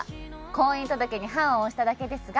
「婚姻届に判を捺しただけですが」